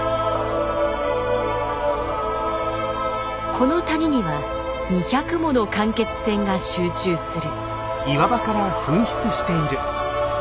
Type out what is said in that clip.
この谷には２００もの間欠泉が集中する。